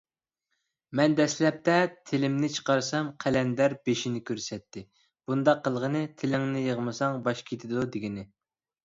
مەن دەسلەپتە تىلىمنى چىقارسام، قەلەندەر بېشىنى كۆرسەتتى. بۇنداق قىلغىنى «تىلىڭنى يىغمىساڭ، باش كېتىدۇ» دېگىنى.